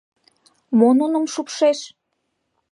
Мо нуным шупшеш?